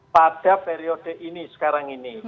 pada periode ini sekarang ini